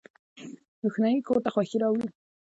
روښنايي کور ته خوښي راوړي